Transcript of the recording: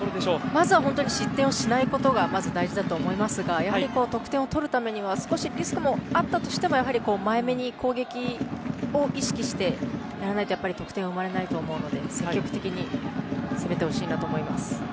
まずは失点をしないことがまず大事だと思いますがやはり、得点を取るためには少しリスクがあったとしても前めに攻撃を意識してやっていかないと得点は生まれないと思うので積極的に攻めてほしいと思います。